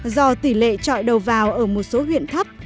do tỷ lệ trọi đầu vào ở một số huyện thấp